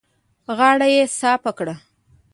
غاړه يې صافه کړه.